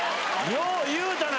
よう言うたな！